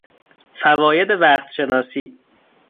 فواید وقتشناسی